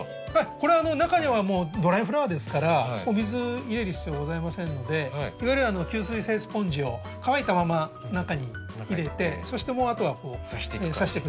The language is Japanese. これは中にはもうドライフラワーですから水入れる必要はございませんのでいわゆる吸水性スポンジを乾いたまま中に入れてそしてもうあとは挿していくだけですね。